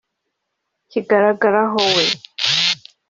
kigaragaraho we